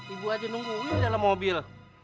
ibu aja nungguin dalam mobil